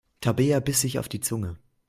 Tabea biss sich auf die Zunge.